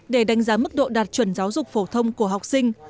để đánh giá mức độ đạt chuẩn giáo dục phổ thông của học sinh